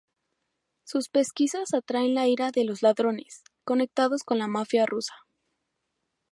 Sus pesquisas atraen la ira de los ladrones, conectados con la mafia rusa.